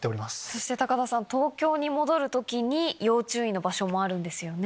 そして田さん東京に戻る時に要注意の場所もあるんですよね。